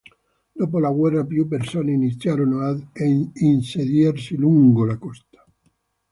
Dopo la guerra, più persone iniziarono ad insediarsi lungo la costa.